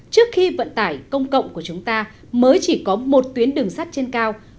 trước khi vận tải công cộng của chúng ta mới chỉ có một tuyến đường sắt trên cao